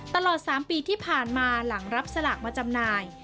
ตลอด๓ปีที่ผ่านมาหลังรับสลากมาจำหน่าย